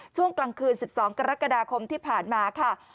ช่วงกลางคืน๑๒กรกฎาคมที่ผ่านมาค่ะ